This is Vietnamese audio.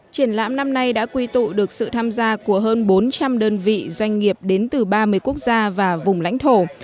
triển lãm năm nay đã quy tụ được sự tham gia của hơn bốn trăm linh đơn vị doanh nghiệp đến từ ba mươi quốc gia và vùng lãnh thổ